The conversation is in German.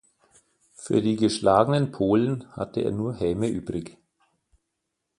Für die geschlagenen Polen hatte er nur Häme übrig.